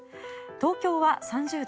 東京は３０度。